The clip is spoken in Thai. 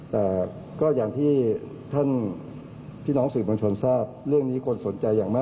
แต่ก็อย่างที่ท่านพี่น้องสื่อมวลชนทราบเรื่องนี้คนสนใจอย่างมาก